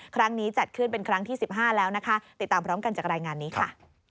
ครั้งนี้จัดขึ้นเป็นครั้งที่๑๕แล้วนะคะติดตามพร้อมกันจากรายงานนี้ค่ะ